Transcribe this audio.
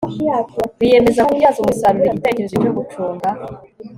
biyemeza kubyaza umusaruro igitekerezo cyo gucunga